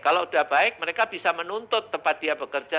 kalau sudah baik mereka bisa menuntut tempat dia bekerja